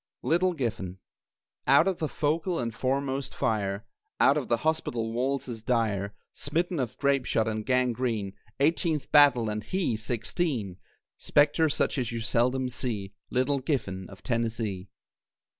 LITTLE GIFFEN Out of the focal and foremost fire, Out of the hospital walls as dire, Smitten of grape shot and gangrene (Eighteenth battle and he sixteen) Spectre such as you seldom see, Little Giffen of Tennessee.